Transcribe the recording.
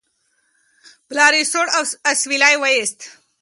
پلار یې سوړ اسویلی وایست.